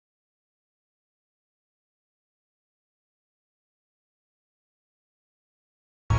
aing ditembak wadah